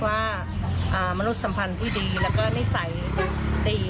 มนุษย์สัมพันธ์ที่ดีแล้วก็นิสัยดี